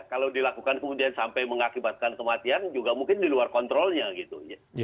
kalau dilakukan kemudian sampai mengakibatkan kematian juga mungkin di luar kontrolnya gitu